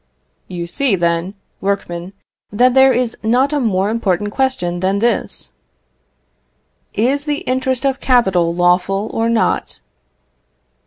You see, then, workmen, that there is not a more important question than this: "Is the interest of capital lawful or not?"